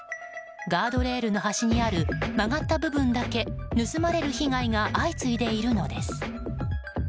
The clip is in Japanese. ガードレールの端にある曲がった部分だけ盗まれる被害が相次いでいるのです。